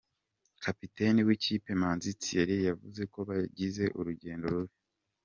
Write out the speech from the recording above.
Kapiteni w’ikipe Manzi Thierry yavuze ko bagize urugendo rubi.